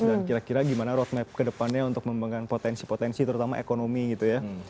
dan kira kira gimana roadmap ke depannya untuk membangun potensi potensi terutama ekonomi gitu ya